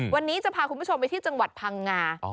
วันนี้จะพาคุณผู้ชมไปที่จังหวัดพังงา